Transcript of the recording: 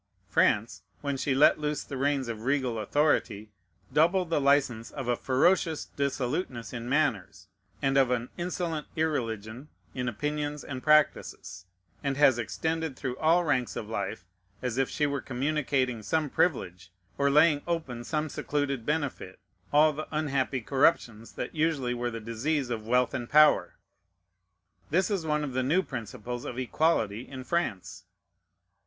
France, when she let loose the reins of regal authority, doubled the license of a ferocious dissoluteness in manners, and of an insolent irreligion in opinions and practices, and has extended through all ranks of life, as if she were communicating some privilege, or laying open some secluded benefit, all the unhappy corruptions that usually were the disease of wealth and power. This is one of the new principles of equality in France.